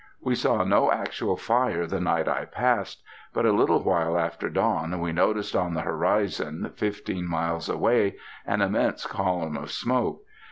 We saw no actual fire the night I passed. But a little while after dawn we noticed on the horizon, fifteen miles away, an immense column of smoke.